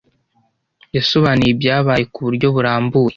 Yasobanuye ibyabaye ku buryo burambuye.